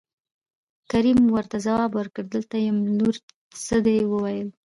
کريم ورته ځواب ورکړ دلته يم لورې څه دې وويل.